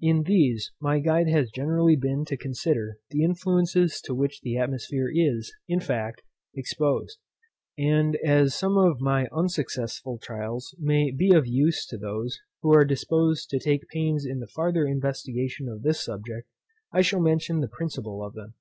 In these my guide has generally been to consider the influences to which the atmosphere is, in fact, exposed; and, as some of my unsuccessful trials may be of use to those who are disposed to take pains in the farther investigation of this subject, I shall mention the principal of them.